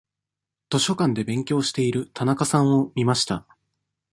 図書館で勉強している田中さんを見ました。